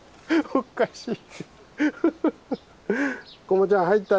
おかしい。